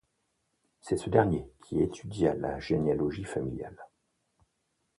C'est ce dernier qui étudia la généalogie familiale.